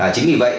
chính vì vậy